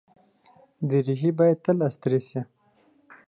دریشي باید تل استری شي.